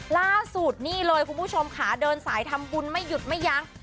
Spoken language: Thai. ล่าสุดนี่เลยคุณผู้ชมค่ะเดินสายทำบุญไม่หยุดไม่ยั้ง